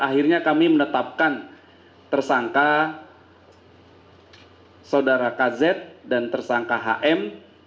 akhirnya kami menetapkan tersangka saudara kz dan tersangka hm